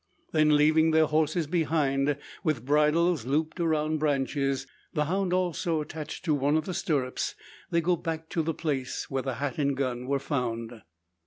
Then, leaving their horses behind, with bridles looped around branches the hound also attached to one of the stirrups they go back to the place, where the hat and gun were found.